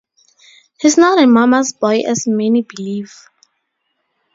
He's not a "mama's boy" as many believe.